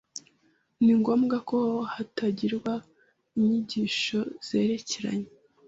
Ni ngombwa ko hatangirwa inyigisho zerekeranye